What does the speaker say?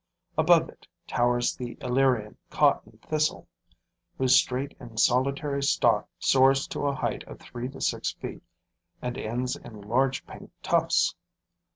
Above it, towers the Illyrian cotton thistle, whose straight and solitary stalk soars to a height of three to six feet and ends in large pink tufts.